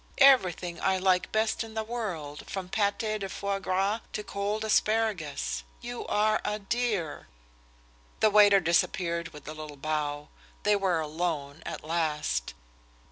Everything I like best in the world, from pâté de foie gras to cold asparagus. You are a dear." The waiter disappeared with a little bow. They were alone at last.